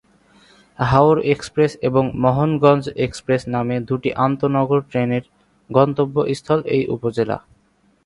হাওর express এবং Mohanganj express নামে দুটি আন্তঃনগর ট্রেনের গন্তব্যস্থল এ উপজেলা।